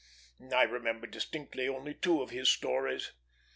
I remember distinctly only two of his stories.